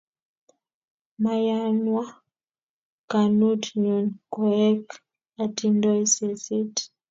Mayanwa konut nyun koek atindoi seset